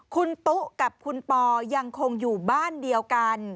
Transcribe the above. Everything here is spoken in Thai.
คุณตุ๊กับคุณปอยังคงอยู่บ้านเดียวกัน